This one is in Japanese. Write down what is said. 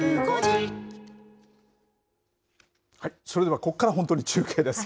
それでは、ここから本当に中継です。